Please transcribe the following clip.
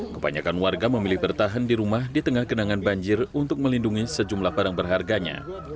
kebanyakan warga memilih bertahan di rumah di tengah kenangan banjir untuk melindungi sejumlah barang berharganya